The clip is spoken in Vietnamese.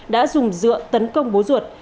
đã dùng dựa tấn công bối ruột